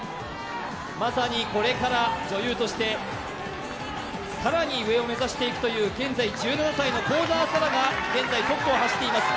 まさにこれから女優として、更に上を目指していくという現在、１７歳の幸澤沙良がトップを走っています。